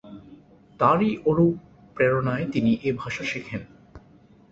তারই অনুপ্রেরণায় তিনি এ ভাষা শিখেন।